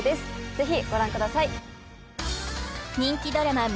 ぜひご覧ください